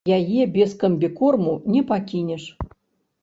Яе без камбікорму не пакінеш.